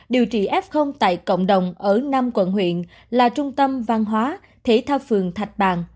điều trị f tại cộng đồng ở năm quận huyện là trung tâm văn hóa thể thao phường thạch bàn